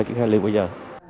chữa khai ly bây giờ